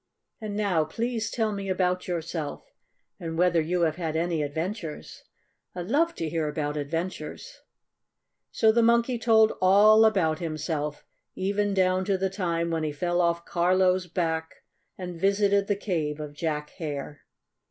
"And now please tell me about yourself and whether you have had any adventures. I love to hear about adventures." So the Monkey told all about himself, even down to the time when he fell off Carlo's back and visited the cave of Jack Hare.